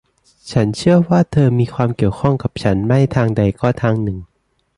ฉันเชื่อว่าเธอมีความเกี่ยวข้องกับฉันไม่ทางใดก็ทางหนึ่ง